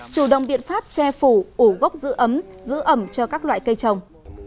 chủ động biện pháp che phủ ủ gốc giữ ấm giữ ẩm cho các loại cây trồng